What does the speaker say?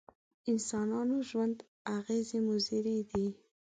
انسانانو ژوند اغېزې مضرې دي.